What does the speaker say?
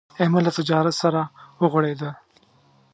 احمد له تجارت سره وغوړېدا.